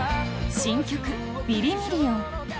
新曲「ビリミリオン」